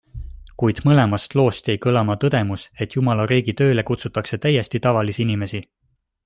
Kuid mõlemast loost jäi kõlama tõdemus, et jumalariigi tööle kutsutakse täiesti tavalisi inimesi.